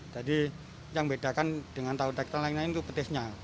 jadi yang membedakan dengan tahu tek tek lainnya itu petisnya